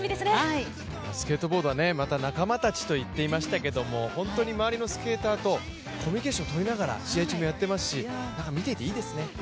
スケートボードはまた仲間たちと言っていましたけれども、本当に周りの仲間たちとコミュニケーションをとりながら試合中もやっていますし、見ていていいですね。